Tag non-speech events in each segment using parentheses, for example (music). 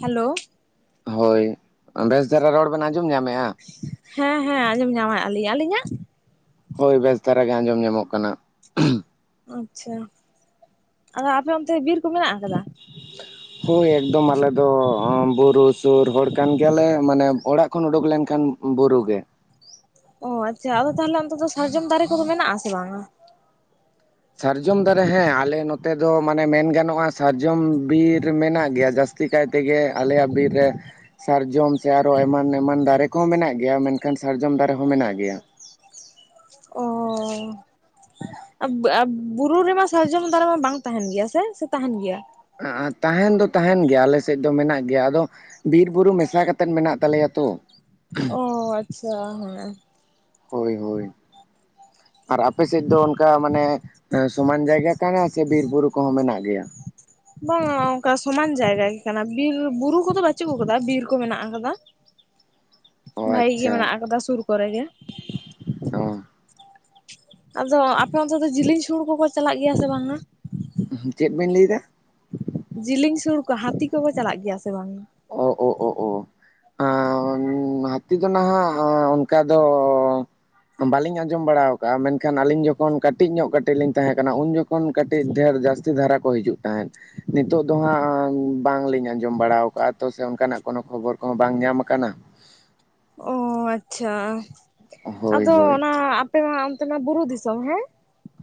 Hello ᱦᱳᱭ ᱵᱮᱥ ᱫᱷᱽᱟᱨᱟ ᱨᱚᱲ ᱵᱮᱱ ᱟᱸᱡᱚᱢ ᱧᱟᱢᱮᱫᱼᱟ? ᱦᱮᱸ, ᱦᱮᱸ ᱟᱸᱡᱚᱢ ᱧᱟᱢ ᱮᱫᱼᱟ ᱾ ᱞᱤᱧ ᱟᱹᱞᱤᱧᱟᱜ? ᱦᱳᱭ ᱵᱮᱥ ᱫᱷᱽᱟᱨᱟ ᱜᱮ ᱟᱸᱡᱚᱢ ᱧᱟᱢᱚᱼᱜ ᱠᱟᱱᱟ᱾ ᱟᱪᱪᱷᱟ ᱟᱫᱚ ᱟᱯᱮ ᱚᱱᱛᱮ ᱵᱤᱨ ᱠᱚ ᱢᱮᱱᱟᱜ ᱟᱠᱟᱫᱟ? ᱦᱳᱭ ᱮᱠᱫᱚᱢ ᱟᱞᱮ ᱫᱚ ᱵᱩᱨᱩ ᱥᱩᱨ ᱦᱚᱲ ᱠᱟᱱ ᱜᱮᱭᱟᱞᱮ ᱾ ᱢᱟᱱᱮ ᱚᱲᱟᱜ ᱠᱷᱚᱱ ᱩᱰᱩᱠ ᱞᱮᱱᱠᱷᱟᱱ ᱵᱩᱨᱩ ᱜᱮ᱾ ᱚ ᱟᱪᱪᱷᱟ ᱟᱫᱚ ᱛᱟᱦᱚᱞᱮ ᱚᱱᱛᱮ ᱫᱚ, ᱥᱟᱨᱡᱚᱢ ᱫᱟᱨᱮ ᱠᱚᱼᱫᱚ ᱢᱮᱱᱟ-ᱜ ᱟᱥᱮ, ᱵᱟᱝᱟ? ᱥᱟᱨᱡᱚᱢ ᱫᱟᱨᱮ ᱦᱮᱸ ᱟᱞᱮ ᱱᱚᱛᱮ ᱫᱚᱸ ᱢᱟᱱᱮ ᱢᱮᱱ ᱜᱟᱱᱚᱜᱼᱟ ᱾ ᱥᱟᱨᱡᱚᱢ ᱵᱤᱨ ᱢᱮᱱᱟ-ᱜ ᱜᱮᱭᱟ ᱡᱟᱹᱥᱛᱤ ᱡᱟᱹᱥᱛᱤ ᱠᱟᱭ ᱛᱮᱜᱮ ᱟᱞᱮᱭᱟᱜ ᱵᱤᱨ ᱨᱮ ᱥᱟᱨᱡᱚᱢ ᱥᱮ ᱟᱨᱚ ᱮᱢᱟᱱ ᱮᱢᱟᱱ ᱫᱟᱨᱮ ᱠᱚᱦᱚᱸ ᱢᱮᱱᱟᱜ ᱜᱮᱭᱟ ᱢᱮᱱᱠᱷᱟᱱ ᱥᱟᱨᱡᱚᱢ ᱫᱟᱨᱮ ᱦᱚᱸ ᱢᱮᱱᱟᱜ ᱜᱮᱭᱟ ᱾ ᱚ ᱟᱵ ᱵᱩᱨᱩ ᱨᱮᱢᱟ ᱥᱟᱨᱡᱚᱢ ᱫᱟᱨᱮ ᱢᱟ ᱵᱟᱝ ᱛᱟᱦᱮᱱ ᱜᱮᱭᱟ ᱥᱮ ᱥᱮ ᱛᱟᱦᱮᱱ ᱜᱮᱭᱟ? ᱛᱟᱦᱮᱱ ᱫᱚ ᱛᱟᱦᱮᱱ ᱜᱮᱭᱟ ᱟᱞᱮ ᱥᱮᱫ ᱫᱚ ᱢᱮᱱᱟᱜ ᱜᱮᱭᱟ, ᱟᱫᱚ ᱵᱤᱨᱵᱩᱨᱩ ᱢᱮᱥᱟ ᱠᱟᱛᱮᱮᱫ ᱢᱮᱱᱟᱜ ᱛᱟᱞᱮᱭᱟ ᱛᱚ ᱾ (inaudible) ᱦᱳᱭ ᱦᱳᱭ, ᱟᱨ ᱟᱯᱮ ᱥᱮᱫ ᱫᱚ ᱚᱱᱠᱟ ᱢᱟᱱᱮ ᱥᱚᱢᱟᱱ ᱡᱟᱭᱜᱟ ᱠᱟᱱᱟ ᱥᱮ ᱵᱤᱨ ᱵᱩᱨᱩ ᱠᱚᱦᱚᱸ ᱢᱮᱱᱟᱜ ᱜᱮᱭᱟ? (unintelligible) ᱵᱟᱝ ᱚᱱᱠᱟ ᱥᱚᱢᱟᱱ ᱡᱟᱭᱜᱟ ᱜᱮ ᱠᱟᱱᱟ ᱵᱤᱨ ᱵᱩᱨᱩ ᱠᱚᱫᱚ ᱵᱟᱟᱹᱪᱩᱜ ᱟᱠᱟᱫᱟ ᱵᱤᱨ ᱠᱚ ᱢᱮᱱᱟᱜ ᱟᱠᱟᱫᱟ ᱾ ᱚ ᱵᱷᱟᱜᱤ ᱜᱮ ᱟᱪᱪᱷᱟ ᱢᱮᱱᱟᱜ ᱟᱠᱟᱫᱟ ᱥᱩᱨ ᱠᱚᱨᱮ ᱜᱮ ᱾ ᱚ ᱟᱫᱚ ᱟᱯᱮ ᱚᱱᱛᱮ ᱫᱚ ᱡᱤᱞᱮᱧ ᱥᱩᱲ ᱠᱚᱠᱚ ᱪᱟᱞᱟᱜ ᱜᱮᱭᱟ ᱥᱮ ᱵᱟᱝᱟ? ᱪᱮᱫ ᱵᱤᱱ ᱞᱟᱹᱭ ᱫᱟ? ᱡᱮᱞᱮᱧ ᱥᱩᱲ ᱠᱚ ᱦᱟᱹᱛᱤ ᱠᱚᱠᱚ ᱪᱟᱞᱟᱜ ᱜᱮᱭᱟ ᱥᱮ ᱵᱟᱝ? ᱳ ᱳ ᱳ ᱳ ᱦᱟᱹᱛᱤ ᱫᱚ ᱱᱟᱦᱟᱜ ᱚᱱᱠᱟ ᱫᱚ ᱵᱟᱹᱞᱤᱧ ᱟᱸᱡᱚᱢ ᱵᱟᱲᱟ ᱟᱠᱟᱜᱼᱟ ᱢᱮᱱᱠᱷᱟᱱ ᱟᱹᱞᱤᱧ ᱡᱚᱠᱷᱚᱱ ᱠᱟᱹᱴᱤᱡ ᱧᱚᱜ ᱠᱟᱹᱴᱤᱡ ᱞᱤᱧ ᱛᱟᱦᱮᱸ ᱠᱟᱱᱟ ᱩᱱ ᱡᱚᱠᱷᱚᱱ ᱠᱷᱚᱱ ᱠᱟᱹᱴᱤᱡ ᱰᱷᱮᱨ ᱡᱟᱹᱥᱛᱤ ᱫᱷᱟᱨᱟ ᱠᱚ ᱦᱤᱡᱩᱜ ᱛᱟᱦᱮᱸᱫ᱾ ᱱᱤᱛᱚᱜ ᱫᱚ ᱦᱟᱸᱜ ᱵᱟᱝᱞᱤᱧ ᱟᱸᱡᱚᱢ ᱵᱟᱲᱟ ᱠᱟᱜᱼᱟ ᱛᱚ ᱥᱮ ᱚᱱᱠᱟ ᱱᱟᱜ ᱠᱳᱱᱳ ᱠᱷᱚᱵᱚᱨ ᱠᱚᱦᱚᱸ ᱵᱟᱝ ᱧᱟᱢᱟ ᱟᱠᱟᱱᱟ ᱾ ᱚ ᱟᱪᱪᱷᱟ, ᱦᱳᱭ ᱟᱫᱚ ᱦᱳᱭ ᱚᱱᱟ ᱟᱯᱮᱢᱟ ᱚᱱᱛᱮ ᱚᱱᱟ ᱵᱩᱨᱩ ᱫᱤᱥᱚᱢ ᱦᱮᱸ,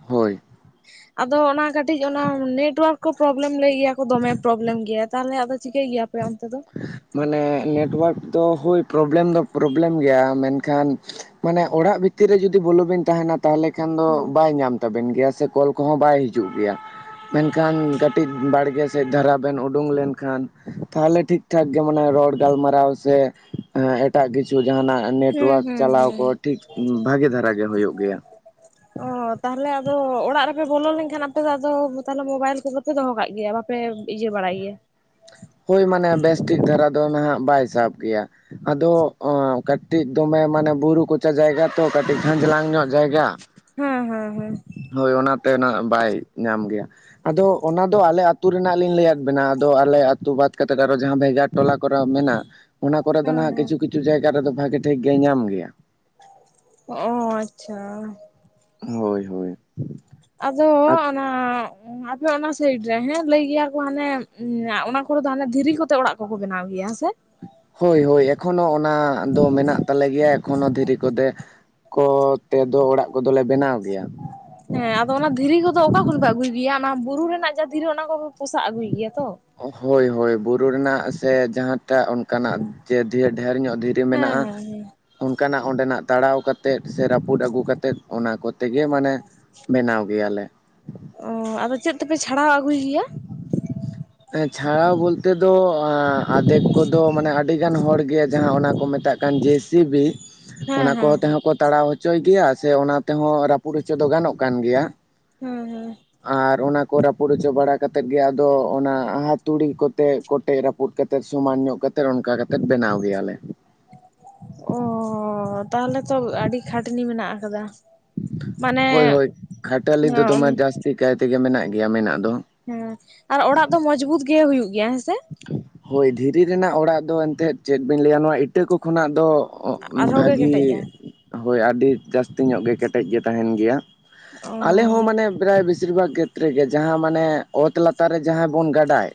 ᱦᱳᱭ ᱾ (unintelligible) ᱟᱫᱚ ᱚᱱᱟ ᱠᱟᱹᱴᱤᱡ ᱚᱱᱟ ᱱᱮᱴᱳᱣᱟᱨᱠ ᱠᱚ ᱯᱨᱚᱵᱞᱮᱢ ᱞᱟᱹᱭ ᱜᱮᱭᱟ ᱠᱚ ᱫᱚᱢᱮ ᱯᱨᱚᱵᱞᱮᱢ ᱜᱮᱭᱟ ᱛᱟᱦᱞᱮ ᱟᱫᱚ ᱪᱤᱠᱟᱹᱭ ᱜᱮᱭᱟ ᱟᱯᱮ ᱚᱱᱛᱮ ᱫᱚ? ᱢᱟᱱᱮ ᱱᱮᱴᱳᱣᱟᱨᱠ ᱫᱚ ᱦᱳᱭ ᱯᱨᱚᱵᱞᱮᱢ ᱫᱚ ᱯᱨᱚᱵᱞᱮᱢ ᱜᱮᱭᱟ ᱢᱮᱱᱠᱷᱟᱱ ᱢᱟᱱᱮ ᱚᱲᱟᱜ ᱵᱷᱤᱛᱤᱨ ᱨᱮ ᱡᱩᱫᱤ ᱵᱚᱞᱚ ᱵᱤᱱ ᱛᱟᱦᱮᱱᱟ ᱛᱟᱦᱚᱞᱮ ᱠᱷᱟᱱ ᱫᱚ ᱦᱩᱸ ᱵᱟᱭ ᱧᱟᱢ ᱛᱟᱵᱮᱱ ᱜᱮᱭᱟ ᱥᱮ ᱠᱚᱞ ᱠᱚᱦᱚᱸ ᱵᱟᱭ ᱦᱤᱡᱩᱜ ᱜᱮᱭᱟ ᱾ ᱢᱮᱱᱠᱷᱟᱱ ᱠᱟᱹᱴᱤᱡ ᱵᱟᱲᱜᱮ ᱥᱮᱫ ᱫᱷᱟᱨᱟ ᱵᱮᱱ ᱩᱰᱩᱝ ᱞᱮᱱᱠᱷᱟᱱ ᱛᱟᱦᱚᱞᱮ ᱴᱷᱤᱠ ᱴᱷᱤᱠ ᱴᱷᱟᱠ ᱜᱮ ᱢᱟᱱᱮ ᱨᱚᱲ ᱜᱟᱞᱢᱟᱨᱟᱣ ᱥᱮ ᱮᱸ ᱮᱴᱟᱜ ᱠᱤᱪᱷᱩ ᱡᱟᱦᱱᱟᱜ ᱦᱩᱸ ᱱᱮᱴᱣᱟᱨᱠ ᱦᱩᱸ ᱪᱟᱞᱟᱣ ᱦᱩᱸ ᱠᱚ ᱴᱷᱤᱠ ᱵᱷᱟᱜᱮ ᱫᱷᱟᱨᱟ ᱜᱮ ᱦᱩᱭᱩᱜ ᱜᱮᱭᱟ ᱾ ᱚᱻ ᱛᱟᱦᱚᱞᱮ ᱟᱫᱚ ᱚᱲᱟᱜ ᱨᱮᱯᱮ ᱵᱚᱞᱚ ᱞᱮᱱᱠᱷᱟᱱ ᱟᱯᱮ ᱫᱚ ᱟᱫᱚ ᱛᱟᱦᱚᱞᱮ ᱢᱳᱵᱟᱭᱤᱞ ᱠᱚ ᱯᱮ ᱫᱚᱦᱚ ᱠᱟᱜ ᱜᱮᱭᱟ ᱵᱟᱯᱮ ᱤᱭᱟᱹ ᱵᱟᱲᱟᱭ ᱜᱮᱭᱟ, ᱦᱳᱭ ᱢᱟᱱᱮ ᱵᱮᱥᱴᱷᱤᱠ ᱫᱷᱟᱨᱟ ᱫᱚ ᱱᱟᱦᱟᱜ ᱵᱟᱭ ᱥᱟᱵ ᱜᱮᱭᱟ᱾ ᱟᱫᱚ ᱠᱟᱹᱴᱤᱡ ᱫᱚᱢᱮ ᱢᱟᱱᱮ ᱵᱩᱨᱩ ᱠᱚᱪᱟ ᱡᱟᱭᱜᱟ ᱛᱚ ᱠᱟᱹᱴᱤᱡ ᱠᱷᱷᱟᱡᱞᱟᱝ ᱧᱚᱜ ᱡᱟᱭᱜᱟ ᱾ ᱦᱩᱸ ᱦᱩᱸ ᱦᱩᱸ ᱦᱳᱭ ᱚᱱᱟᱛᱮ ᱚᱱᱟ ᱵᱟᱭ ᱧᱟᱢ ᱜᱮᱭᱟ, ᱟᱫᱚ ᱚᱱᱟ ᱫᱚ ᱟᱞᱮ ᱟᱹᱛᱩ ᱨᱮᱱᱟᱜ ᱞᱤᱧ ᱞᱟᱹᱭᱟᱫ ᱵᱮᱱᱟ ᱟᱫᱚ ᱟᱞᱮ ᱟᱹᱛᱩ ᱵᱟᱫ ᱠᱟᱛᱮ ᱟᱨᱚ ᱡᱟᱦᱟᱸ ᱵᱷᱮᱜᱟᱨ ᱴᱚᱞᱟ ᱠᱚᱨᱮ ᱢᱮᱱᱟᱜ ᱚᱱᱟ ᱠᱚᱨᱮ ᱫᱚ ᱦᱮᱸ ᱱᱟᱟᱜ ᱦᱮᱸ ᱠᱤᱪᱷᱩ ᱠᱤᱪᱷᱩ ᱡᱟᱭᱜᱟ ᱨᱮᱫᱚ ᱵᱷᱟᱜᱤ ᱴᱷᱤᱠ ᱜᱮ ᱧᱟᱢ ᱜᱮᱭᱟ ᱾ ᱚ ᱟᱪᱪᱷᱟ ᱾ ᱦᱳᱭ ᱦᱳᱭ ᱾ ᱟᱫᱚ ᱚᱱᱟ ᱟᱯᱮ ᱚᱱᱟ ᱥᱟᱭᱤᱰ ᱨᱮ ᱦᱮᱸ ᱞᱟᱹᱭ ᱜᱮᱭᱟ ᱠᱚ ᱦᱟᱱᱮ ᱚᱱᱟ ᱠᱚᱨᱮ ᱫᱚ ᱦᱟᱱᱮ ᱫᱷᱤᱨᱤ ᱠᱚᱛᱮ ᱚᱲᱟᱜ ᱠᱚᱠᱚ ᱵᱮᱱᱟᱣ ᱜᱮᱭᱟ ᱦᱮᱸᱥᱮ ᱾ ᱦᱳᱭ ᱦᱳᱭ ᱮᱠᱷᱚᱱᱳ ᱚᱱᱟ ᱫᱚ ᱢᱮᱱᱟᱜ ᱛᱟᱞᱮ ᱜᱮᱭᱟ ᱮᱠᱷᱚᱱᱳ ᱫᱷᱤᱨᱤ ᱠᱚᱛᱮ ᱠᱚ ᱛᱮᱫᱚ, ᱚᱲᱟᱜ ᱠᱚᱫᱚᱞᱮ, ᱵᱮᱱᱟᱣ ᱜᱮᱭᱟ ᱾᱾ ᱦᱮᱸᱼ, ᱟᱫᱚ, ᱚᱱᱟ ᱫᱷᱤᱨᱤ ᱠᱚᱫᱚ, ᱚᱠᱟ ᱠᱷᱚᱱ ᱯᱮ, ᱟᱹᱜᱩᱭ ᱜᱮᱭᱟ ᱾ ᱚᱱᱟ ᱵᱩᱨᱩ ᱨᱮᱱᱟᱜ, ᱡᱟ ᱫᱷᱤᱨᱤ, ᱚᱱᱟ ᱠᱚᱯᱮ, ᱯᱚᱥᱟᱜ ᱟᱹᱜᱩᱭ ᱜᱮᱭᱟ ᱛᱚ ᱾ ᱚᱼ ᱦᱳᱭ ᱦᱳᱭ, ᱵᱩᱨᱩ ᱨᱮᱱᱟᱜ ᱥᱮ, ᱡᱟᱦᱟᱸᱴᱟᱜ, ᱚᱱᱠᱟᱱᱟᱜ, ᱡᱮ, ᱫᱷᱤ ᱰᱷᱮᱨ ᱧᱚᱜ, ᱫᱷᱤᱨ ᱴᱤᱢ ᱦᱮᱸ ᱢᱮᱱᱟᱜᱼᱟ ᱾ ᱦᱮᱸ ᱦᱮᱸ᱾ ᱚᱱᱠᱟᱱᱟᱜ, ᱚᱸᱰᱮᱱᱟᱜ, ᱛᱟᱲᱟᱣ ᱠᱟᱛᱮᱫ, ᱥᱮ ᱨᱟᱹᱯᱩᱫ ᱟᱹᱜᱩ ᱠᱟᱛᱮᱫ, ᱚᱱᱟ ᱠᱚᱛᱮᱜᱮ, ᱢᱟᱱᱮ ᱵᱮᱱᱟᱣ ᱜᱮᱭᱟ ᱞᱮ ᱾ ᱚᱼ ᱟᱫᱚ, ᱪᱮᱫ ᱛᱮᱯᱮ, ᱪᱷᱟᱲᱟᱣ ᱟᱹᱜᱩᱭ ᱜᱮᱭᱟ? ᱪᱷᱟᱲᱟᱣ ᱵᱚᱞᱛᱮ ᱫᱚ, ᱟᱻ ᱟᱫᱷᱮᱠ ᱠᱚᱫᱚ, ᱢᱟᱱᱮ, ᱟᱹᱰᱤ ᱜᱟᱱ ᱦᱚᱲ ᱜᱮ ᱡᱟᱦᱟᱸ ᱚᱱᱟ ᱠᱚ, ᱢᱮᱛᱟᱜ ᱠᱟᱱ, ᱡᱮ ᱥᱤ ᱵᱤ, ᱦᱮᱸ ᱚᱱᱟ ᱦᱮᱸ ᱠᱚ ᱛᱮᱦᱚᱸ ᱠᱚ, ᱛᱟᱲᱟᱣ ᱦᱚᱪᱚᱭ ᱜᱮᱭᱟ, ᱥᱮ ᱚᱱᱟ ᱛᱮᱦᱚᱸ, ᱨᱟᱹᱯᱩᱫ ᱦᱚᱪᱚ ᱫᱚ, ᱜᱟᱱᱚᱜ ᱠᱟᱱ ᱜᱮᱭᱟ ᱦᱮᱸ ᱦᱮᱸ ᱾ ᱟᱨ, ᱚᱱᱟ ᱠᱚ, ᱨᱟᱹᱯᱩᱫ ᱦᱚᱪᱚ, ᱵᱟᱲᱟ ᱠᱟᱛᱮᱫ ᱜᱮ, ᱟᱫᱚ ᱚᱱᱟ, ᱦᱟᱛᱩᱲᱤ ᱠᱚᱛᱮ, ᱠᱚᱴᱮᱡ ᱨᱟᱹᱯᱩᱫ ᱠᱟᱛᱮᱫ, ᱥᱚᱢᱟᱱ ᱧᱚᱜ ᱠᱟᱛᱮᱜ, ᱚᱱᱠᱟ ᱠᱟᱛᱮᱫ, ᱵᱮᱱᱟᱣ ᱜᱮᱭᱟᱞᱮ ᱾ ᱚᱻᱦᱦ ᱛᱟᱦᱚᱞᱮ ᱛᱚ, ᱟᱹᱰᱤ ᱠᱷᱟᱹᱴᱱᱤ ᱢᱮᱱᱟᱜ ᱟᱠᱟᱫᱟ ᱾ ᱦᱳᱭ ᱦᱳᱭ, ᱠᱷᱟᱴᱟᱞᱤ ᱫᱚ, ᱫᱚᱢᱮ ᱦᱮᱸ ᱡᱟᱹᱥᱛᱤ ᱠᱟᱭ ᱛᱮᱜᱮ, ᱢᱮᱱᱟᱜ ᱜᱮᱭᱟ, ᱢᱮᱱᱟᱜ ᱫᱚ ᱾ ᱦᱮᱸ, ᱟᱨ ᱚᱲᱟᱜ ᱫᱚ, ᱢᱚᱸᱡᱽᱵᱩᱛ ᱜᱮ, ᱦᱩᱭᱩᱜ ᱜᱮᱭᱟ, ᱦᱮᱸᱥᱮ ᱾ ᱦᱳᱭ! ᱫᱷᱤᱨᱤ ᱨᱮᱱᱟᱜ, ᱚᱲᱟᱜ ᱫᱚ, ᱮᱱᱛᱮᱫ ᱪᱮᱫ? ᱵᱤᱱ ᱞᱟᱹᱭᱟ ᱾ ᱱᱚᱣᱟ, ᱤᱴᱟᱹ ᱠᱚ, ᱠᱷᱚᱱᱟᱜ ᱫᱚ, ᱚᱜ, ᱟᱨᱦᱚᱸ ᱜᱮ ᱵᱷᱟᱹᱜᱤ ᱠᱮᱴᱮᱡᱼᱟ ᱦᱳᱭ! ᱟᱹᱰᱤ ᱡᱟᱹᱥᱛᱤ ᱧᱚᱜ ᱜᱮ, ᱠᱮᱴᱮᱡ ᱜᱮ, ᱛᱟᱦᱮᱱ ᱜᱮᱭᱟ ᱚ ᱾ ᱟᱞᱮ ᱦᱚᱸ, ᱢᱟᱱᱮ, ᱯᱨᱟᱭ ᱵᱮᱥᱤ ᱪᱨᱤᱵᱟ ᱠᱷᱮᱛᱨᱮ ᱜᱮ, ᱡᱟᱦᱟᱸ ᱢᱟᱱᱮ, ᱚᱛ ᱞᱟᱛᱟᱨ ᱨᱮ, ᱡᱟᱦᱟᱸ ᱵᱚᱱ, ᱜᱟᱰᱟᱭ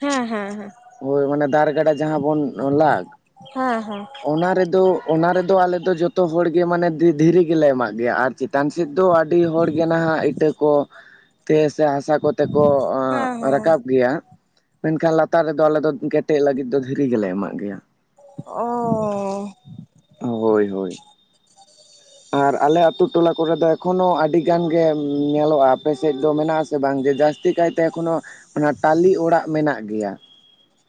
ᱦᱮᱸᱻ, ᱦᱮᱸᱻ ᱦᱮᱸ, ᱾ ᱦᱳᱭ! ᱚᱱᱮ ᱫᱟᱨᱮ ᱜᱟᱰᱟ, ᱡᱟᱦᱟᱸ ᱵᱚᱱ ᱞᱟᱜ, ᱦᱮᱸ ᱦᱮᱸ ᱚᱱᱟ ᱨᱮᱫᱚ ᱚᱱᱟ ᱨᱮᱫᱚ ᱟᱞᱮᱫᱚ ᱡᱷᱚᱛᱚ ᱦᱚᱲ ᱜᱮ ᱚᱱᱟ ᱨᱮ ᱫᱚ, ᱫᱷᱤᱨᱤ ᱜᱮ ᱞᱮ, ᱮᱢᱟᱜ ᱜᱮᱭᱟ ᱾ ᱟᱨ ᱪᱮᱛᱟᱱ ᱥᱮᱫ ᱫᱚ, ᱟᱹᱰᱤ ᱦᱚᱲ ᱜᱮ ᱱᱷᱟᱜ ᱤᱴᱟᱹ ᱠᱚ (inaudible) ᱛᱮ ᱥᱮ, ᱦᱟᱥᱟ ᱠᱚᱛᱮ ᱠᱚ, ᱦᱮᱸ ᱦᱮᱸ ᱨᱟᱠᱟᱵ ᱜᱮᱭᱟ ᱾ ᱢᱮᱱᱠᱷᱟᱱ, ᱞᱟᱛ ᱛᱟᱨ ᱨᱮᱫᱚ, ᱟᱞᱮ ᱫᱚ ᱠᱮᱴᱮᱜ ᱞᱟᱹᱜᱤᱫ ᱫᱚ, ᱫᱷᱤᱨᱤ ᱜᱮᱞᱮ ᱮᱢᱟᱜ ᱜᱮᱭᱟ ᱾ ᱚᱻ ᱦᱚ ᱾ ᱦᱳᱭ, ᱦᱳᱭ ᱾ ᱟᱨ, ᱟᱞᱮ ᱟᱛᱳ ᱴᱚᱞᱟ ᱠᱚᱨᱮ ᱫᱚ, ᱮᱠᱷᱚᱱᱳ, ᱟᱹᱰᱤ ᱜᱟᱱ ᱜᱮ, ᱧᱮᱞᱚᱜᱼᱟ ᱾ ᱟᱯᱮ ᱥᱮᱫ ᱫᱚ, ᱢᱮᱱᱟᱜ ᱟᱥᱮ ᱵᱟᱝ? ᱡᱮ, ᱡᱟᱥ ᱛᱤ ᱠᱟᱭᱛᱮ, ᱮᱠᱷᱚᱱᱳ, ᱚᱱᱟ ᱴᱟᱞᱤ ᱚᱲᱟᱜ, ᱢᱮᱱᱟᱜ ᱜᱮᱭᱟ ᱾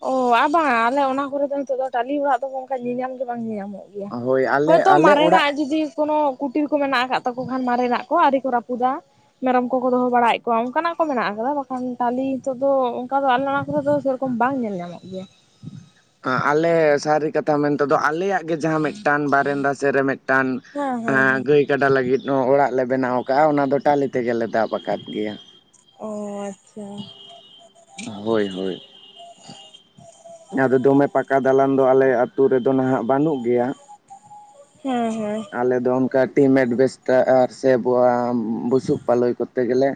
ᱚᱻ, ᱟ ᱵᱟᱝ, ᱟᱞᱮ ᱚᱱᱟ ᱠᱚᱨᱮ ᱫᱚ, ᱱᱤᱛᱚᱜ ᱫᱚ, ᱴᱟᱞᱤ ᱚᱲᱟᱜ ᱫᱚ, ᱜᱚᱝᱠᱮ ᱧᱮᱧᱟᱢ ᱜᱮ, ᱵᱟᱝ ᱧᱮᱧᱟᱢᱚᱜ ᱦᱳᱭ ᱾ ᱟᱞᱮ ᱦᱳᱭᱛᱚ, ᱟᱞᱮ ᱚᱲᱟᱜ ᱢᱟᱨᱮᱱᱟᱜ ᱡᱩᱫᱤ? ᱠᱳᱱᱳ, ᱠᱩᱴᱤᱨ ᱠᱚ ᱢᱮᱱᱟᱜ, ᱟᱠᱟᱜ ᱛᱟᱠᱚ ᱠᱷᱟᱱ, ᱢᱟᱨᱮᱱᱟᱜ ᱠᱚ, ᱟᱹᱣᱨᱤ ᱠᱚ ᱨᱟᱹᱯᱩᱫᱟ ᱾ ᱢᱮᱨᱚᱢ ᱠᱚᱠᱚ, ᱫᱚᱦᱚ ᱵᱟᱲᱟᱭᱮᱜ ᱠᱚᱣᱟ ᱾ ᱚᱱᱠᱟᱱᱟᱜ ᱠᱚ ᱢᱮᱱᱟᱜ ᱟᱠᱟᱫᱟ, ᱵᱟᱠᱷᱟᱱ, ᱴᱟᱞᱤ ᱱᱤᱛᱚᱜ ᱫᱚ, ᱚᱱᱠᱟ ᱫᱚ, ᱟᱞᱮ ᱚᱱᱟ ᱠᱚᱨᱮ ᱫᱚ, ᱥᱮ ᱨᱚᱠᱚᱢ ᱵᱟᱝ ᱧᱟᱢ ᱧᱟᱢᱚᱜ ᱜᱮᱭᱟ ᱾ ᱦᱟᱸ ᱟᱞᱮ ᱥᱟᱹᱨᱤ ᱠᱟᱛᱷᱟ ᱢᱮᱱᱛᱮᱫᱚ, ᱟᱞᱮᱭᱟᱜ ᱜᱮ, ᱡᱟᱦᱟᱸ ᱢᱤᱫᱴᱟᱱ, ᱵᱟᱨᱮᱱᱫᱟ ᱥᱮᱫ ᱨᱮ, ᱢᱤᱫ ᱴᱟᱱ, ᱦᱮᱸ ᱦᱮᱸ ᱟᱼᱦ ᱦᱮᱸ ᱜᱟᱹᱭ ᱠᱟᱰᱟ ᱞᱟᱹᱜᱤᱫ, ᱚᱲᱟᱜ ᱞᱮ ᱵᱮᱱᱟᱣ ᱟᱠᱟᱜᱼᱟ ᱾ ᱚᱱᱟ ᱫᱚ, ᱴᱟᱞᱤ ᱛᱮᱜᱮ ᱞᱮ, ᱫᱟᱵ ᱟᱠᱟᱫ ᱜᱮᱭᱟ ᱾ ᱚᱻ ᱟᱪᱪ ᱪᱟ ᱦᱳᱭ, ᱦᱳᱭ ᱾ ᱟᱫᱚ, ᱫᱚᱢᱮ ᱯᱟᱠᱟ ᱫᱟᱞᱟᱱ ᱫᱚ, ᱟᱞᱮ ᱟᱛᱳ ᱨᱮᱫᱚ ᱱᱷᱟᱜ, ᱵᱟᱹᱱᱩᱜ ᱜᱮᱭᱟ ᱾ ᱦᱮᱸᱼ, ᱦᱚᱸᱭ ᱾ ᱟᱞᱮ ᱫᱚ, ᱚᱱᱠᱟ ᱴᱤᱢᱮᱴ ᱵᱮᱥᱴᱟᱨ ᱥᱮ, ᱟᱵᱚᱟᱸᱝ ᱵᱩᱥᱩᱵ ᱯᱟᱞᱚᱭ ᱠᱚ ᱛᱮᱜᱮ ᱞᱮ,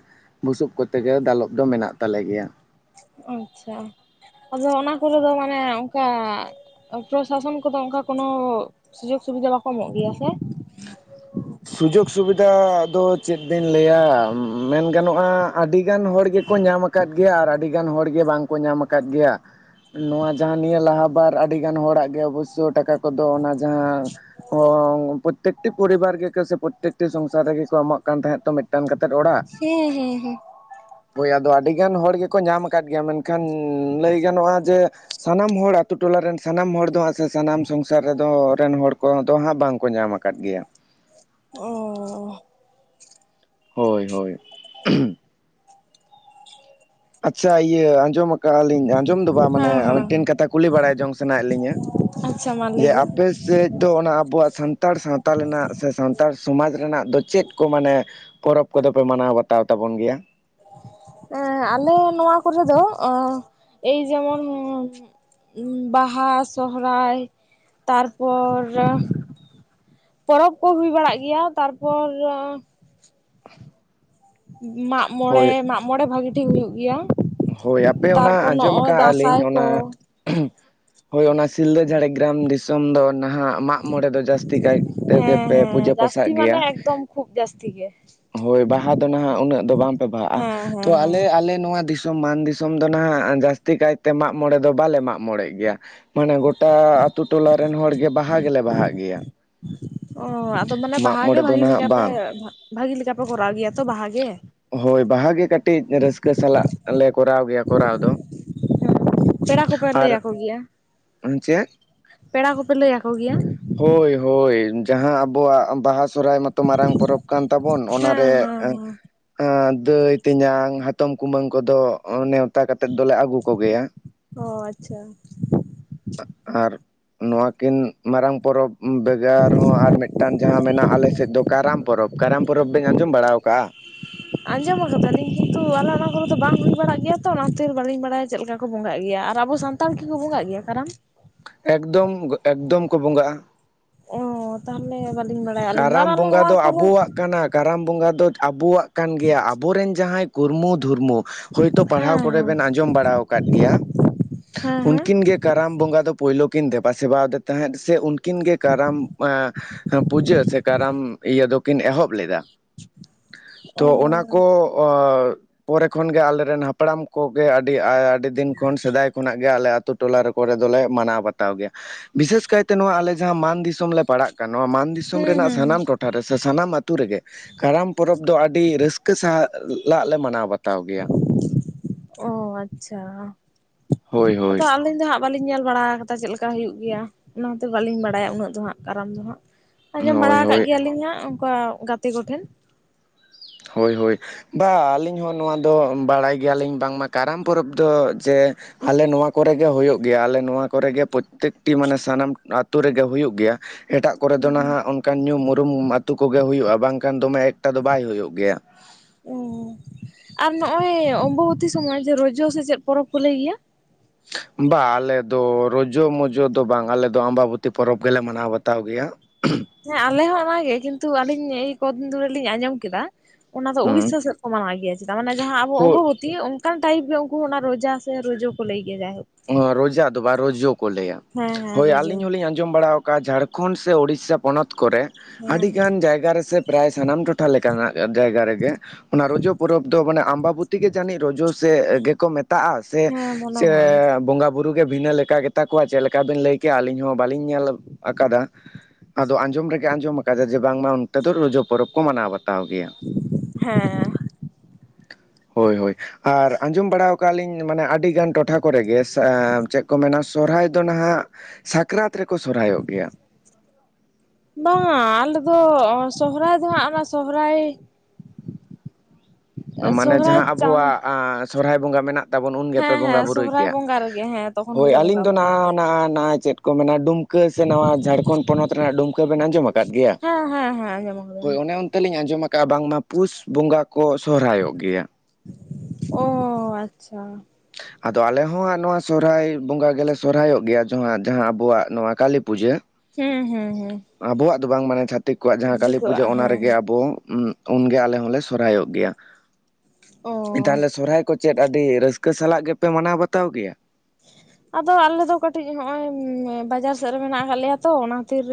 ᱵᱩᱥᱩᱵ ᱠᱚᱛᱮ ᱜᱮ, ᱫᱟᱞᱚᱵ ᱫᱚ, ᱢᱮᱱᱟᱜ ᱛᱟᱞᱮ ᱜᱮᱭᱟ ᱾ ᱟᱪᱪᱷᱟ ᱟᱫᱚ ᱚᱱᱟ ᱠᱚᱨᱮ ᱫᱚ ᱢᱟᱱᱮ ᱚᱱᱠᱟ ᱯᱨᱚᱥᱟᱥᱚᱱ ᱠᱚᱫᱚ ᱚᱱᱠᱟ ᱠᱳᱱᱳ ᱥᱩᱡᱳᱜᱽ ᱥᱩᱵᱤᱫᱷᱟ ᱵᱟᱠᱚ ᱮᱢᱚᱜ ᱜᱮᱭᱟ ᱥᱮ᱾ ᱥᱩᱡᱳᱜᱽ ᱥᱩᱵᱤᱫᱷᱟ ᱫᱚ ᱪᱮᱫ ᱵᱤᱱ ᱞᱟᱹᱭᱟ ᱢᱮᱱ ᱜᱟᱱᱚᱜᱼᱟ ᱟᱹᱰᱤᱜᱟᱱ ᱦᱚᱲ ᱜᱮᱠᱚ ᱧᱟᱢ ᱟᱠᱟᱫ ᱜᱮᱭᱟ ᱟᱨ ᱟᱹᱰᱤᱜᱟᱱ ᱦᱚᱲᱜᱮ ᱵᱟᱝᱠᱚ ᱧᱟᱢ ᱟᱠᱟᱫ ᱜᱮᱭᱟ᱾ ᱱᱚᱣᱟ ᱡᱟᱦᱟᱸ ᱱᱤᱭᱟᱹ ᱞᱟᱦᱟ ᱵᱟᱨ ᱟᱹᱰᱤᱜᱟᱱ ᱦᱚᱲᱟᱜ ᱜᱮ ᱚᱵᱚᱥᱳᱭ ᱴᱟᱠᱟ ᱠᱚᱫᱚ, ᱚᱱᱟ ᱡᱟᱦᱟᱸ ᱚᱻ (unintelligible) ᱯᱨᱚᱛᱛᱮᱠᱴᱤ ᱯᱚᱨᱤᱵᱟᱨ ᱜᱮᱠᱚ ᱥᱮ ᱯᱨᱚᱛᱛᱮᱠᱴᱤ ᱥᱚᱝᱥᱟᱨ ᱨᱮᱜᱮ ᱠᱚ ᱮᱢᱚᱜ ᱠᱟᱱ ᱛᱟᱦᱮᱸᱫ ᱛᱚ ᱢᱤᱫᱴᱟᱝ ᱠᱟᱛᱮᱫ ᱚᱲᱟᱜ᱾ ᱦᱮᱸ ᱦᱩᱸ ᱦᱩᱸ, ᱦᱳᱭ ᱟᱫᱚ ᱟᱹᱰᱤ ᱜᱟᱱ ᱦᱚᱲ ᱜᱮᱠᱚ ᱧᱟᱢ ᱟᱠᱟᱫ ᱜᱮᱭᱟ, ᱢᱮᱱᱠᱷᱟᱱ ᱞᱟᱹᱭ ᱜᱟᱱᱚᱜᱼᱟ ᱡᱮ ᱥᱟᱱᱟᱢ ᱦᱚᱲ ᱟᱛᱳ ᱴᱚᱞᱟ ᱨᱮᱱ ᱥᱟᱱᱟᱢ ᱦᱚᱲ ᱫᱚ ᱦᱟᱸᱜ ᱥᱮ ᱥᱟᱱᱟᱢ ᱥᱚᱝᱥᱟᱨ ᱨᱮᱫᱚ ᱨᱮᱱ ᱦᱚᱲ ᱠᱚᱫᱚ ᱦᱟᱸᱜ ᱵᱟᱝᱠᱚ ᱧᱟᱢ ᱟᱠᱟᱫ ᱜᱮᱭᱟ᱾ ᱚᱻ ᱦᱳᱭ ᱦᱳᱭ ᱟᱪᱪᱷᱟ ᱤᱭᱟᱹ ᱟᱸᱡᱚᱢ ᱟᱜᱼᱟ ᱞᱤᱧ ᱟᱸᱡᱚᱢ ᱫᱚ ᱵᱟᱝ ᱢᱟᱱᱮ ᱦᱮᱸ ᱦᱮᱸ ᱢᱤᱫᱴᱮᱱ ᱠᱟᱛᱷᱟ ᱠᱩᱞᱤ ᱵᱟᱲᱟᱭ ᱡᱚᱝ ᱥᱟᱱᱟᱭᱮᱫ ᱞᱤᱧᱟᱹ? ᱟᱪᱪᱷᱟ ᱢᱟ ᱞᱟᱹᱭ ᱡᱮ ᱵᱤᱱ ᱟᱯᱮ ᱥᱮᱫ ᱫᱚ ᱚᱱᱟ ᱟᱵᱚᱣᱟᱜ ᱥᱟ ᱛᱟᱲ ᱥᱟᱶᱛᱟ ᱨᱮᱱᱟᱜ ᱥᱮ ᱥᱟᱱᱛᱟᱲ ᱥᱚᱢᱟᱡᱽ ᱨᱮᱱᱟᱜ ᱫᱚ ᱪᱮᱫ ᱠᱚ ᱢᱟᱱᱮ, ᱯᱚᱨᱚᱵᱽ ᱠᱚᱫᱚ ᱯᱮ ᱢᱟᱱᱟᱣ ᱵᱟᱛᱟᱣ ᱛᱟᱵᱚᱱ ᱜᱮᱭᱟ? ᱟ ᱟᱞᱮ ᱱᱚᱣᱟ ᱠᱚᱨᱮ ᱫᱚ ᱮᱭ ᱡᱮᱢᱚᱱ, ᱵᱟᱦᱟ, ᱥᱚᱦᱨᱟᱭ ᱛᱟᱨᱯᱚᱨ ᱯᱚᱨᱚᱵᱽ ᱠᱚ ᱦᱩᱭ ᱵᱟᱲᱟᱜ ᱜᱮᱭᱟ, ᱛᱟᱨᱯᱚᱨ (inaudible) ᱢᱟᱜ ᱢᱚᱲᱮ ᱦᱳᱭ ᱢᱟᱜ ᱢᱚᱲᱮ ᱵᱷᱟᱹᱜᱤ ᱴᱷᱤᱠ ᱦᱩᱭᱩᱜ ᱜᱮᱭᱟ᱾ ᱦᱳᱭ ᱟᱯᱮ ᱚᱱᱟ ᱛᱟᱨᱯᱚᱨ ᱟᱸᱡᱚᱢ ᱱᱚᱜᱼᱚᱭ ᱟᱠᱟᱜ ᱟᱹᱞᱤᱧ ᱫᱟᱸᱥᱟᱭ ᱚᱱᱟ ᱠᱚ ᱦᱳᱭ ᱚᱱᱟ ᱥᱤᱞᱫᱟᱹ ᱡᱷᱟᱲᱜᱨᱟᱢ ᱫᱤᱥᱚᱢ ᱫᱚ ᱱᱟᱦᱟᱸᱜ, ᱢᱟᱜ ᱢᱚᱬᱮ ᱫᱚ ᱡᱟᱹᱥᱛᱤ ᱠᱟᱭ ᱛᱮᱜᱮ ᱦᱮᱸ ᱯᱮ ᱦᱮᱸ ᱯᱩᱡᱟᱹ ᱯᱟᱥᱟᱜ ᱡᱟᱹᱥᱛᱤ ᱢᱟᱱᱮ ᱜᱮᱭᱟ᱾ ᱮᱠᱫᱚᱢ ᱠᱷᱩᱵᱽ ᱡᱟᱹᱥᱛᱤ ᱜᱮ, ᱦᱳᱭ ᱵᱟᱦᱟ ᱫᱚ ᱱᱟᱦᱟᱸᱜ ᱩᱱᱟᱹᱜ ᱫᱚ ᱵᱟᱝᱯᱮ ᱵᱟᱦᱟᱜᱼᱟ ᱦᱮᱸ ᱛᱚ ᱦᱮᱸ ᱦᱮᱸ ᱟᱞᱮ, ᱟᱞᱮ ᱱᱚᱣᱟ ᱫᱤᱥᱚᱢ ᱢᱟᱱ ᱫᱤᱥᱚᱢ ᱫᱚ ᱱᱟᱦᱟᱸᱜ ᱡᱟᱹᱥᱛᱤ ᱠᱟᱭᱛᱮ ᱢᱟᱜᱽ ᱢᱚᱬᱮ ᱫᱚ ᱵᱟᱞᱮ ᱢᱟᱜᱽ ᱢᱚᱬᱮ ᱜᱮᱭᱟ᱾ ᱢᱟᱱᱮ ᱜᱚᱴ ᱴᱟ ᱟᱛᱳ ᱴᱚᱞᱟᱮᱱ ᱦᱚᱲᱜᱮ ᱵᱟᱦᱟ ᱜᱮᱞᱮ ᱵᱟᱦᱟᱜ ᱜᱮᱭᱟ᱾ ᱚᱻ ᱟᱫᱚ ᱢᱟᱱᱮ ᱢᱟᱜ ᱵᱟᱦᱟ ᱜᱮ ᱢᱚᱬᱮ ᱫᱚ ᱵᱷᱟᱹᱜᱤ ᱱᱟᱦᱟᱜ ᱞᱮᱠᱟ ᱯᱮ, ᱵᱟᱝ ᱵᱷᱟᱹᱜᱤ ᱞᱮᱠᱟ ᱯᱮ ᱠᱚᱨᱟᱣ ᱜᱮᱭᱟ ᱛᱚ ᱵᱟᱦᱟ ᱜᱮ᱾ ᱦᱳᱭ ᱵᱟᱦᱟᱜ ᱜᱮ ᱠᱟᱹᱴᱤᱡ ᱨᱟᱹᱥᱠᱟᱹ ᱥᱟᱞᱟᱜ ᱞᱮ ᱠᱚᱨᱟᱣ ᱜᱮᱭᱟ ᱠᱚᱨᱟᱣ ᱫᱚ᱾ ᱯᱮᱲᱟ ᱠᱚᱯᱮ ᱞᱟᱹᱭ ᱟᱨ ᱟᱠᱚ ᱜᱮᱭᱟ, ᱪᱮᱫ ᱯᱮᱲᱟ ᱠᱚᱯᱮ ᱞᱟᱹᱭ ᱟᱠᱚ ᱜᱮᱭᱟ? ᱦᱳᱭ ᱦᱳᱭ ᱡᱟᱦᱟᱸ ᱟᱵᱚᱣᱟᱜ ᱵᱟᱦᱟ ᱥᱚᱦᱚᱨᱟᱭ ᱢᱟ ᱛᱚ ᱢᱟᱨᱟᱝ ᱯᱚᱨᱚᱵᱽ ᱠᱟᱱ ᱛᱟᱵᱚᱱ ᱚᱱᱟᱨᱮ, ᱦᱮᱸ ᱦᱮᱸ ᱮᱸ ᱦᱮᱸ ᱫᱟᱹᱭ-ᱛᱮᱧᱟᱝ ᱦᱟᱛᱚᱢ ᱠᱩᱢᱟᱹᱝ ᱠᱚᱫᱚ ᱱᱮᱣᱛᱟ ᱠᱟᱛᱮᱫ ᱫᱚᱞᱮ ᱟᱹᱜᱩ ᱠᱚᱜᱮᱭᱟ᱾ ᱚ ᱟᱪᱪᱷᱟ ᱟ ᱟᱨ ᱱᱚᱣᱟ ᱠᱤᱱ ᱢᱟᱨᱟᱝ ᱯᱚᱨᱚᱵᱽ ᱵᱮᱜᱚᱨ ᱦᱚᱸ ᱟᱨ ᱢᱤᱫ ᱡᱟᱦᱟᱸ ᱢᱮᱱᱟᱜᱼᱟ ᱟᱞᱮᱥᱮᱫ ᱫᱚ ᱠᱟᱨᱟᱢ ᱯᱚᱨᱚᱵᱽ, ᱠᱟᱨᱟᱢ ᱯᱚᱨᱚᱵᱽ ᱵᱮᱱ ᱟᱸᱡᱚᱢ ᱵᱟᱲᱟ ᱟᱠᱟᱜᱼᱟ? ᱟᱸᱡᱚᱢ ᱠᱟᱫᱟᱞᱤᱧ ᱠᱤᱱᱛᱩ ᱟᱞᱮ ᱚᱱᱟ ᱠᱚᱨᱮ ᱫᱚ ᱵᱟᱝ ᱦᱩᱭ ᱵᱟᱲᱟᱜ ᱜᱮᱭᱟ ᱛᱚ, ᱚᱱᱟ ᱠᱷᱟᱹᱛᱤᱨ ᱵᱟᱹᱞᱤᱧ ᱵᱟᱲᱟᱭᱟ ᱪᱮᱫ ᱞᱮᱠᱟ ᱠᱚ ᱵᱚᱸᱜᱟᱜ ᱜᱮᱭᱟ ᱟᱨ ᱟᱵᱚ ᱥᱟᱱᱛ ᱛᱟᱲ ᱠᱤ ᱠᱚ ᱵᱚᱸᱜᱟᱜ ᱜᱮᱭᱟ ᱠᱟᱨᱟᱢ? ᱮᱠᱫᱚᱢ ᱮᱠᱫᱚᱢ ᱠᱚ ᱵᱚᱸᱜᱟᱜᱼᱟ᱾ ᱚᱻ ᱛᱟᱦᱚᱞᱮ ᱵᱟᱹᱞᱤᱧ ᱵᱟᱲᱟᱭᱟ ᱟᱹᱞᱤᱧ ᱫᱚ ᱟᱨ ᱠᱟᱨᱟᱢ ᱟᱞᱮ ᱵᱚᱸᱜᱟ ᱱᱚᱣᱟ ᱫᱚ ᱠᱚᱨᱮ ᱟᱵᱚᱣᱟᱜ ᱠᱟᱱᱟ ᱠᱟᱨᱟᱢ ᱵᱚᱸᱜᱟ ᱫᱚ ᱟᱵᱚᱣᱟᱜ ᱠᱟᱱ ᱜᱮᱭᱟ ᱟᱵᱚᱨᱮᱱ ᱡᱟᱦᱟᱸᱭ ᱠᱩᱨᱢᱩ ᱫᱷᱩᱨᱢᱩ, ᱦᱳᱭᱛᱳ ᱯᱟᱲᱦᱟᱣ ᱦᱮᱸ ᱠᱚᱨᱮ ᱦᱮᱸ ᱵᱮᱱ ᱟᱸᱡᱚᱢ ᱵᱟᱲᱟ ᱟᱠᱟᱫ ᱜᱮᱭᱟ ᱦᱮᱸ ᱦᱮᱸ ᱩᱱᱠᱤᱱ ᱜᱮ, ᱠᱟᱨᱟᱢ ᱵᱚᱸᱜᱟ ᱫᱚ ᱯᱳᱭᱞᱳ ᱠᱤᱱ ᱫᱮᱵᱟ ᱥᱮᱵᱟᱫᱮ ᱛᱟᱦᱮᱸᱫ ᱥᱮ ᱩᱱᱠᱤᱱ ᱜᱮ, ᱠᱟᱨᱟᱢ ᱮᱸ ᱯᱩᱡᱟᱹ ᱥᱮ ᱠᱟᱨᱟᱢ ᱤᱭᱟᱹ ᱫᱚᱠᱤᱱ ᱮᱦᱚᱵ ᱞᱮᱫᱟ, ᱚ ᱛᱚ ᱚᱱᱟ ᱠᱚ ᱚᱻ ᱯᱚᱨᱮ ᱠᱷᱚᱱᱜᱮ ᱟᱞᱮᱨᱮᱱ ᱦᱟᱯᱲᱟᱢ ᱠᱚᱜᱮ, ᱟᱹᱰᱤ ᱟᱹᱻᱰᱤ ᱫᱤᱱ ᱠᱷᱚᱱ ᱥᱮᱫᱟᱭ ᱠᱷᱚᱱᱟᱜ ᱜᱮ ᱟᱞᱮ ᱟᱹᱛᱩ ᱴᱚᱞᱟ ᱨᱮᱠᱚ ᱠᱚᱨᱮ ᱫᱚᱞᱮ ᱢᱟᱱᱟᱣ ᱵᱟᱛᱟᱣ ᱜᱮᱭᱟ ᱾ ᱵᱤᱥᱮᱥ ᱠᱟᱭᱛᱮ ᱱᱚᱣᱟ ᱟᱞᱮ ᱡᱟᱦᱟᱸ ᱢᱟᱱ ᱫᱤᱥᱚᱢ ᱞᱮ ᱯᱟᱲᱟᱜ ᱠᱟᱱᱟ, ᱱᱚᱣᱟ ᱢᱟᱱ ᱫᱤᱥᱚᱢ ᱦᱩᱸ ᱦᱩᱸ ᱨᱮᱱᱟᱜ ᱦᱩᱸ ᱥᱟᱱᱟᱢ ᱴᱚᱴᱷᱟ ᱨᱮ ᱥᱮ ᱥᱟᱱᱟᱢ ᱟᱛᱩ ᱨᱮᱜᱮ ᱠᱟᱨᱟᱢ ᱯᱚᱨᱚᱵᱽ ᱫᱚ ᱟᱹᱰᱤ ᱨᱟᱹᱥᱠᱟᱹ ᱥᱟᱶ ᱞᱟᱜ ᱞᱮ ᱢᱟᱱᱟᱣ ᱵᱟᱛᱟᱣ ᱜᱮᱭᱟ ᱾ ᱚᱻ ᱟᱪᱪᱷᱟ, ᱦᱳᱭ ᱦᱳᱭ ᱟᱫᱚ ᱟᱹᱞᱤᱧ ᱫᱚ ᱦᱟᱜ ᱵᱟᱹᱞᱤᱧ ᱧᱮᱞ ᱵᱟᱲᱟ ᱠᱟᱫᱟ ᱪᱮᱫ ᱞᱮᱠᱟ ᱦᱩᱭᱩᱜ ᱜᱮᱭᱟ, ᱚᱱᱟᱛᱮ ᱵᱟᱹᱞᱤᱧ ᱵᱟᱲᱟᱭᱟ ᱩᱱᱟᱹᱜ ᱫᱚ ᱦᱟᱸᱜ ᱠᱟᱨᱟᱢ ᱫᱚ ᱦᱟᱸᱜ ᱾ ᱟᱸᱡᱚᱢ ᱵᱟᱲᱟ ᱦᱳᱭ ᱦᱳᱭ ᱟᱠᱟᱜ ᱜᱮᱭᱟᱞᱤᱧ ᱦᱟᱸᱜ ᱚᱝᱠᱟ ᱜᱟᱛᱮ ᱠᱚᱴᱷᱮᱱ ᱾ ᱦᱳᱭ ᱦᱳᱭ ᱾ ᱵᱟ ᱟᱹᱞᱤᱧ ᱦᱚᱸ ᱱᱚᱣᱟ ᱫᱚ ᱵᱟᱲᱟᱭ ᱜᱮᱭᱟᱞᱤᱧ ᱵᱟᱝᱢᱟ ᱠᱟᱨᱟᱢ ᱯᱚᱨᱚᱵᱽ ᱫᱚ ᱡᱮ ᱟᱞᱮ ᱱᱚᱣᱟ ᱠᱚᱨᱮᱜᱮ ᱦᱩᱭᱩᱜ ᱜᱮᱭᱟ, ᱟᱞᱮ ᱱᱚᱣᱟ ᱠᱚᱨᱮᱜᱮ ᱯᱨᱚᱛᱮᱠᱴᱤ ᱢᱟᱱᱮ ᱥᱟᱱᱟᱢ ᱟᱹᱛᱩ ᱨᱮᱜᱮ ᱦᱩᱭᱩᱜ ᱜᱮᱭᱟ ᱾ ᱮᱴᱟᱜ ᱠᱚᱨᱮ ᱫᱚ ᱦᱩᱸ ᱦᱩᱸ ᱱᱟᱦᱟᱜ ᱚᱱᱠᱟᱱ ᱧᱩᱢ ᱩᱨᱩᱢ ᱟᱹᱛᱩ ᱠᱚᱜᱮ ᱦᱩᱭᱩᱜᱼᱟ, ᱵᱟᱝᱠᱷᱟᱱ ᱫᱚᱢᱮ ᱮᱠᱴᱟ ᱫᱚ ᱵᱟᱭ ᱦᱩᱭᱩᱜ ᱜᱮᱭᱟ ᱾ ᱚᱸ ᱟᱨ ᱱᱚᱜᱼᱚᱭ ᱚᱢᱵᱚᱵᱚᱛᱤ ᱥᱚᱢᱚᱭ ᱡᱮ ᱨᱚᱡᱚ ᱥᱮ ᱪᱮᱫ ᱯᱚᱨᱚᱵᱽ ᱠᱚ ᱞᱟᱹᱭ ᱜᱮᱭᱟ? ᱵᱟ ᱟᱞᱮ ᱫᱚ ᱨᱚᱡᱚ ᱢᱚᱡᱚ ᱫᱚ ᱵᱟᱝ ᱟᱞᱮ ᱫᱚ ᱟᱢᱵᱟᱵᱚᱛᱤ ᱯᱚᱨᱚᱵᱽ ᱜᱮᱞᱮ ᱢᱟᱱᱟᱣ ᱵᱟᱛᱟᱣ ᱜᱮᱭᱟ ᱾ ᱦᱮᱸ ᱟᱞᱮ ᱦᱚᱸ ᱚᱱᱟᱜᱮ, ᱠᱤᱱᱛᱩ ᱟᱹᱞᱤᱧ ᱤ ᱠᱚᱫᱽᱫᱤᱱ ᱫᱷᱚᱨᱤ ᱟᱹᱞᱤᱧ ᱟᱸᱡᱚᱢ ᱠᱮᱫᱟ ᱚᱱᱟ ᱫᱚ ᱦᱩᱸ ᱩᱲᱤᱥᱟ ᱥᱮᱫ ᱠᱚ ᱢᱟᱱᱟᱣ ᱜᱮᱭᱟ ᱪᱮᱫᱟᱜ ᱢᱟᱱᱮ ᱡᱟᱦᱟᱸ ᱟᱵᱚ ᱦᱳᱭ ᱚᱢᱵᱚᱵᱚᱛᱤ ᱚᱸ ᱠᱟᱱ ᱴᱟᱭᱤᱯ ᱜᱮ ᱩᱝᱠᱩ ᱚᱱᱟ ᱨᱚᱡᱟ ᱥᱮ ᱨᱚᱡᱚ ᱠᱚ ᱞᱟᱹᱭ ᱜᱮᱭᱟ ᱡᱟᱭᱦᱳᱠ ᱾ ᱚᱸ ᱨᱚᱡᱟ ᱫᱚ ᱵᱟ ᱨᱚᱡᱚ ᱠᱚ ᱞᱟᱹᱭᱟ, ᱦᱮᱸ ᱦᱮᱸ ᱦᱳᱭ ᱨᱚᱡᱚ ᱟᱹᱞᱤᱧ ᱦᱚᱞᱤᱧ ᱟᱸᱡᱚᱢ ᱵᱟᱲᱟ ᱟᱠᱟᱫ ᱡᱷᱟᱲ ᱠᱷᱚᱸᱰ ᱥᱮ ᱚᱲᱤᱥᱟ ᱯᱚᱱᱚᱛ ᱠᱚᱨᱮ ᱦᱮᱸ ᱟᱹᱰᱤ ᱦᱮᱸ ᱜᱟᱱ ᱡᱟᱭᱜᱟ ᱨᱮᱥᱮ ᱯᱨᱟᱭ ᱥᱟᱱᱟᱢ ᱴᱚᱴᱷᱟ ᱞᱮᱠᱟᱱᱟᱜ ᱡᱟᱭᱜᱟ ᱨᱮᱜᱮ ᱚᱱᱟ ᱨᱚᱡᱚ ᱯᱚᱨᱚᱵᱽ ᱫᱚ ᱢᱟᱱᱮ ᱟᱢᱵᱟᱵᱚᱛᱤ ᱜᱮ ᱡᱟᱹᱱᱤᱡ ᱨᱚᱡᱚ ᱥᱮ ᱮ ᱜᱮᱠᱚ ᱢᱮᱛᱟᱜᱼᱟ ᱥᱮ? ᱦᱮᱸ ᱢᱚᱱᱚ ᱥᱮ ᱵᱚᱸᱜᱟ ᱵᱩᱨᱩ ᱜᱮ ᱵᱷᱤᱱᱟᱹ ᱞᱮᱠᱟ ᱜᱮᱛᱟ ᱠᱚᱣᱟ ᱪᱮᱫ ᱞᱮᱠᱟ ᱵᱤᱱ ᱞᱟᱹᱭ ᱠᱮᱜᱼᱟ ᱟᱹᱞᱤᱧ ᱦᱚᱸ ᱵᱟᱹᱞᱤᱧ ᱧᱮᱞ ᱟᱠᱟᱫᱟ ᱾ ᱟᱫᱚ ᱟᱸᱡᱚᱢ ᱨᱮᱜᱮ ᱟᱸᱡᱚᱢ ᱟᱠᱟᱫᱟ ᱡᱮ ᱵᱟᱝᱢᱟ ᱚᱱᱛᱮ ᱫᱚ ᱨᱚᱡᱚ ᱯᱚᱨᱚᱵᱽ ᱠᱚ ᱢᱟᱱᱟᱣ ᱵᱟᱛᱟᱣ ᱜᱮᱭᱟ ᱾ ᱦᱮᱸ ᱾ ᱦᱳᱭ ᱦᱳᱭ, ᱟᱨ ᱟᱸᱡᱚᱢ ᱵᱟᱲᱟᱶ ᱠᱟᱜᱼᱟ ᱞᱤᱧ ᱢᱟᱱᱮ ᱟᱹᱰᱤ ᱜᱟᱱ ᱴᱚᱴᱷᱟ ᱠᱚᱨᱮ ᱜᱮ ᱥᱟᱻ ᱪᱮᱫ ᱠᱚ ᱢᱮᱱᱟ ᱥᱚᱨᱦᱟᱭ ᱫᱚ ᱱᱟᱦᱟᱜ ᱥᱟᱠᱨᱟᱛ ᱨᱮᱠᱚ ᱥᱚᱨᱦᱟᱭᱚᱜ ᱜᱮᱭᱟ ᱾ ᱵᱟᱝᱟ ᱟᱞᱮ ᱫᱚ ᱥᱚᱦᱨᱟᱭ ᱫᱚ ᱦᱟᱸᱜ ᱚᱱᱟ ᱥᱚᱦᱨᱟᱭ ᱢᱟᱱᱮ ᱥᱚᱦᱨᱟᱭ ᱡᱟᱦᱟᱸ ᱪᱟᱸᱫ ᱟᱵᱚᱣᱟᱜ ᱟᱸ ᱥᱚᱨᱦᱟᱭ ᱵᱚᱸᱜᱟ ᱢᱮᱱᱟᱜ ᱛᱟᱵᱚᱱ ᱩᱱ ᱜᱮᱯᱮ ᱦᱮᱸ ᱦᱮᱸ ᱵᱚᱸᱜᱟ ᱵᱩᱨᱩᱭ ᱥᱚᱦᱨᱟᱭ ᱠᱮᱭᱟ? ᱵᱚᱸᱜᱟ ᱨᱮᱜᱮ ᱦᱮᱸ ᱛᱚᱠᱷᱚᱱ ᱦᱳᱭ ᱜᱮᱞᱮ ᱟᱹᱞᱤᱧ ᱵᱚᱸᱜᱟ ᱫᱚ ᱵᱩᱨᱩᱭ ᱱᱟᱦᱟ ᱜᱮᱭᱟ ᱦᱟᱱᱟ ᱚᱱᱟ ᱪᱮᱫ ᱠᱚ ᱢᱮᱱᱟ ᱰᱩᱢᱠᱟᱹ ᱥᱮ ᱱᱚᱣᱟ ᱡᱷᱟᱲᱠᱷᱚᱸᱰ ᱯᱚᱱᱚᱛ ᱨᱮᱱᱟᱜ ᱰᱩᱢᱠᱟᱹ ᱵᱮᱱ ᱟᱸᱡᱚᱢ ᱟᱠᱟᱫᱟ ᱜᱮᱭᱟ, ᱦᱮᱸ ᱦᱮᱸ ᱦᱮᱸ ᱟᱸᱡᱚᱢ ᱦᱳᱭ ᱟᱠᱟᱫᱟᱞᱤᱧ ᱚᱱᱮ ᱚᱱᱛᱮ ᱞᱤᱧ ᱟᱸᱡᱚᱢᱟ ᱠᱟᱜᱼᱟ ᱵᱟᱝᱢᱟ ᱯᱩᱥ ᱵᱚᱸᱜᱟ ᱠᱚ ᱥᱚᱨᱦᱟᱭᱚᱜ ᱜᱮᱭᱟ ᱾ ᱚ ᱟᱪᱪᱷᱟ ᱾ ᱟᱫᱚ ᱟᱞᱮ ᱦᱚᱸ ᱦᱟᱸᱜ ᱱᱚᱣᱟ ᱥᱚᱦᱨᱟᱭ ᱵᱚᱸᱜᱟ ᱜᱮᱞᱮ ᱥᱚᱨᱦᱟᱭᱚᱜ ᱜᱮᱭᱟ ᱡᱚᱦᱟᱸ ᱡᱟᱦᱟᱸ ᱟᱵᱚᱣᱟᱜ ᱱᱚᱣᱟ ᱠᱟᱞᱤᱯᱩᱡᱟᱹ! ᱦᱮᱸ ᱦᱮᱸ ᱦᱮᱸ ᱾ ᱟᱵᱚᱣᱟᱜ ᱫᱚ ᱵᱟᱝ ᱢᱟᱱᱮ ᱪᱷᱟᱛᱤᱠ ᱠᱚᱣᱟᱜ ᱡᱟᱦᱟᱸ ᱠᱟᱞᱤᱯᱩᱡᱟᱹ ᱚᱱᱟ ᱦᱮᱸ ᱨᱮᱜᱮ ᱦᱮᱸ ᱟᱵᱚ ᱩᱸ ᱩᱱᱜᱮ ᱟᱞᱮ ᱦᱚᱸᱞᱮ ᱥᱚᱨᱦᱟᱭᱚᱜ ᱜᱮᱭᱟ ᱚ ᱾ ᱛᱟᱦᱚᱞᱮ ᱥᱚᱨᱦᱟᱭ ᱠᱚ ᱪᱮᱫ ᱟᱹᱰᱤ ᱨᱟᱹᱥ ᱠᱟᱹ ᱥᱟᱞᱟᱜ ᱜᱮᱯᱮ ᱢᱟᱱᱟᱣ ᱵᱟᱛᱟᱣ ᱜᱮᱭᱟ? ᱟᱫᱚ ᱟᱞᱮ ᱫᱚ ᱠᱟᱹᱴᱤᱡ ᱦᱚᱸᱜᱼᱚᱭ ᱵᱟᱡᱟᱨ ᱥᱮᱜ ᱨᱮ ᱢᱮᱱᱟᱜ ᱟᱠᱟᱫ ᱞᱮᱭᱟ ᱛᱚ, ᱚᱱᱟ ᱠᱷᱟᱹᱛᱤᱨ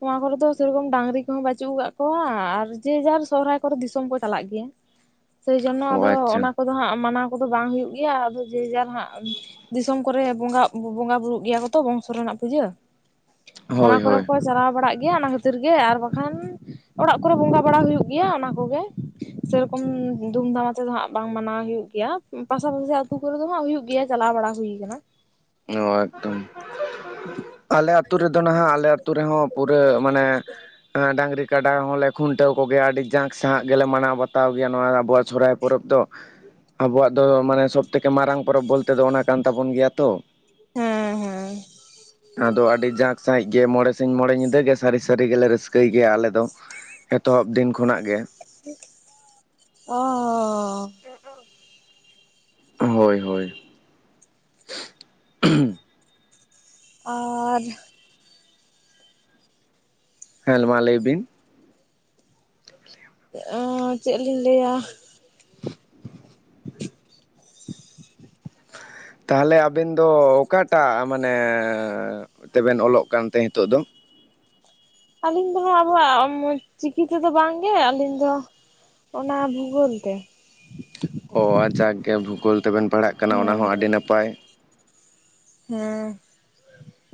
ᱱᱚᱣᱟ ᱠᱚᱨᱮ ᱫᱚ ᱥᱮᱨᱚᱠᱚᱢ ᱰᱟᱝᱨᱤ ᱠᱚᱦᱚᱸ ᱵᱟᱹᱪᱩᱜ ᱟᱠᱟᱫ ᱠᱚᱣᱟ ᱟᱨ ᱡᱮ ᱡᱟᱨ ᱥᱚᱨᱦᱟᱭ ᱠᱚᱨᱮ ᱫᱤᱥᱚᱢ ᱠᱚ ᱪᱟᱞᱟᱜ ᱜᱮᱭᱟ ᱾ ᱥᱮᱭ ᱡᱚᱱᱱᱚ ᱚ ᱟᱫᱚ ᱚᱱᱟ ᱟᱪᱪᱷᱟ ᱠᱚᱫᱚ ᱦᱟᱸᱜ ᱢᱟᱱᱟᱣ ᱠᱚᱫᱚ ᱵᱟᱝ ᱦᱩᱭᱩᱜ ᱜᱮᱭᱟ, ᱟᱫᱚ ᱡᱮ ᱡᱟᱨ ᱦᱟᱸᱜ ᱫᱤᱥᱚᱢ ᱠᱚᱨᱮ ᱵᱚᱸᱜᱟᱜ ᱵᱚᱸᱜᱟ ᱵᱩᱨᱩᱜ ᱜᱮᱭᱟ ᱠᱚᱛᱚ ᱵᱚᱝᱥᱚ ᱨᱮᱱᱟᱜ ᱯᱩᱡᱟᱹ, ᱚᱱᱟ ᱦᱳᱭ ᱠᱚᱨᱮ ᱦᱳᱭ ᱠᱚ ᱪᱟᱨᱟᱣ ᱵᱟᱲᱟᱜ ᱜᱮᱭᱟ ᱚᱱᱟ ᱠᱷᱟᱹᱛᱤᱨ ᱜᱮ ᱟᱨ ᱵᱟᱠᱷᱟᱱ ᱚᱲᱟᱜ ᱠᱚᱨᱮ ᱵᱚᱸᱜᱟ ᱵᱟᱲᱟ ᱦᱩᱭᱩᱜ ᱜᱮᱭᱟ ᱚᱱᱟ ᱠᱚᱜᱮ᱾ ᱥᱮᱨᱚᱠᱚᱢ ᱫᱷᱩᱢ ᱫᱷᱟᱢ ᱟᱛᱮ ᱫᱚ ᱦᱟᱸᱜ ᱵᱟᱝ ᱢᱟᱱᱟᱣ ᱦᱩᱭᱩᱜ ᱜᱮᱭᱟ, ᱯᱟᱥᱟᱯᱟᱥᱤ ᱟᱹᱛᱩ ᱠᱚᱨᱮ ᱫᱚ ᱦᱟᱸᱜ ᱦᱩᱭᱩᱜ ᱜᱮᱭᱟ ᱪᱟᱞᱟᱣ ᱵᱟᱲᱟ ᱦᱩᱭ ᱠᱟᱱᱟ᱾ ᱱᱚᱶᱟ ᱮᱠᱫᱚᱢ ᱟᱞᱮ ᱟᱹᱛᱩ ᱨᱮᱫᱚ ᱱᱟᱦᱟᱜ ᱟᱞᱮ (unintelligible) ᱦᱚᱸ ᱯᱩᱨᱟᱹ ᱢᱟᱱᱮ ᱮᱸ ᱰᱟᱝᱨᱤ ᱠᱟᱰᱟ ᱦᱚᱸᱞᱮ ᱠᱷᱩᱱᱴᱟᱹᱣ ᱠᱚᱜᱮᱭᱟ ᱟᱹᱰᱤ ᱡᱟᱸᱠ ᱥᱟᱸᱦᱟᱜ ᱜᱮᱞᱮ ᱢᱟᱱᱟᱣ ᱵᱟᱛᱟᱣ ᱜᱮᱭᱟ ᱱᱚᱣᱟ ᱟᱵᱚᱣᱟᱜ ᱥᱚᱦᱨᱟᱭ ᱯᱚᱨᱚᱵᱽ ᱫᱚ ᱟᱵᱚᱣᱟᱜ ᱫᱚ ᱢᱟᱱᱮ ᱥᱚᱵ ᱛᱷᱮᱠᱮ ᱢᱟᱨᱟᱝ ᱯᱚᱨᱚᱵᱽ ᱵᱚᱞᱛᱮ ᱫᱚ ᱚᱱᱟ ᱠᱟᱱ ᱛᱟᱵᱚᱱ ᱜᱮᱭᱟ ᱛᱚ᱾ ᱦᱮᱸ ᱦᱮᱸ ᱚᱱᱟᱫᱚ ᱟᱹᱰᱤ ᱡᱟᱸᱠ ᱥᱟᱺᱦᱤᱡ ᱜᱮ ᱢᱚᱬᱮ ᱥᱤᱧ ᱢᱚᱬᱮ ᱧᱤᱫᱟᱹ ᱜᱮ ᱥᱟᱹᱨᱤ ᱥᱟᱹᱨᱤ ᱜᱮᱞᱮ ᱨᱟᱹᱥᱠᱟᱹᱭ ᱜᱮᱭᱟ ᱟᱞᱮ ᱫᱚ᱾ ᱮᱛᱚᱦᱚᱵ ᱫᱤᱱ ᱠᱷᱚᱱᱟᱜ ᱜᱮ᱾ ᱚᱻ ᱦᱳᱭ ᱦᱳᱭ᱾ ᱟᱨ ᱦᱮᱸᱞ ᱢᱟ ᱞᱟᱹᱭ ᱵᱤᱱ᱾ ᱮᱸ ᱪᱮᱫ ᱞᱤᱧ ᱞᱟᱹᱭᱟ? ᱛᱟᱦᱚᱞᱮ ᱟᱵᱤᱱ ᱫᱚ ᱚᱠᱟᱴᱟᱜ ᱢᱟᱱᱮ ᱛᱮᱵᱮᱱ ᱚᱞᱚᱜ ᱠᱟᱱ ᱛᱮ ᱦᱤᱛᱚᱜ ᱫᱚ? ᱟᱹᱞᱤᱧ ᱫᱚ ᱦᱟᱸᱜ ᱟᱵᱚᱣᱟᱜ ᱪᱤᱠᱤ ᱛᱮᱫᱚ ᱵᱟᱝᱜᱮ ᱟᱹᱞᱤᱧ ᱫᱚ ᱚᱱᱟ ᱵᱷᱩᱜᱳᱞ ᱛᱮ᱾ ᱚ ᱡᱟᱠ ᱜᱮ ᱵᱷᱩᱜᱳᱞ ᱛᱮᱵᱮᱱ ᱯᱟᱲᱦᱟᱜ ᱠᱟᱱᱟ ᱚᱱᱟ ᱦᱮᱸ ᱦᱚᱸ ᱟᱹᱰᱤ ᱦᱮᱸ ᱱᱟᱯᱟᱭ᱾ ᱦᱮᱸ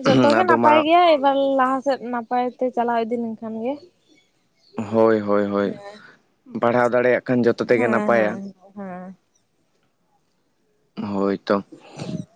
ᱡᱷᱚᱛᱚ ᱜᱮ ᱟᱫᱚ ᱱᱟᱯᱟᱭ ᱢᱟ ᱜᱮᱭᱟ ᱮᱵᱟᱨ ᱞᱟᱦᱟ ᱥᱮᱫ (unintelligible) ᱯᱟᱭ ᱛᱮ ᱪᱟᱞᱟᱣ ᱤᱫᱤ ᱞᱮᱱᱠᱷᱟᱱ ᱜᱮ᱾ ᱦᱳᱭ ᱦᱳᱭ ᱦᱳᱭ ᱯᱟᱲᱦᱟᱣ ᱫᱟᱲᱮᱭᱟᱜ ᱠᱷᱟᱱ ᱡᱚᱛᱚ ᱛᱮᱜᱮ ᱦᱮᱸ ᱱᱟᱯᱟᱭᱟ ᱦᱮᱸ, ᱦᱮᱸ᱾ ᱦᱳᱭ ᱛᱚ᱾ (inaudible)